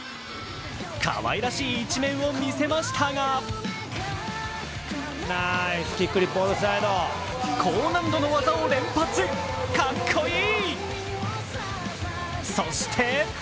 かわいらしい一面を見せましたが高難度の技を連発、かっこいい！